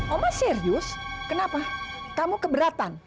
oma serius kenapa kamu keberatan